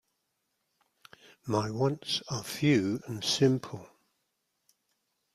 My wants are few and simple.